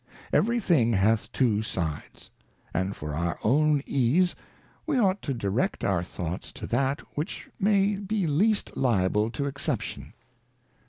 Every thing hath two Sides, and for our own ease we ought to direct our Thoughts to that which may be least liable to excep tion.